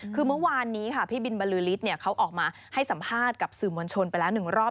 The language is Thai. คือเมื่อวานนี้ค่ะพี่บินบรือฤทธิ์เขาออกมาให้สัมภาษณ์กับสื่อมวลชนไปแล้ว๑รอบ